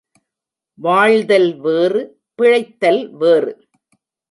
வாழ்தல் வேறு பிழைத்தல் வேறு.